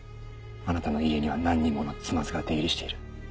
あなたの家には何人もの妻ズが出入りしている。